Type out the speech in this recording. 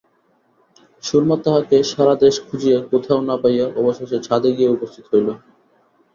সুরমা তাহাকে সারাদেশ খুঁজিয়া, কোথাও না পাইয়া অবশেষে ছাদে গিয়া উপস্থিত হইল।